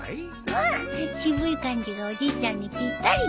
うん渋い感じがおじいちゃんにぴったりでしょ。